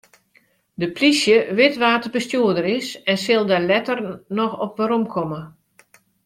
De polysje wit wa't de bestjoerder is en sil dêr letter noch op weromkomme.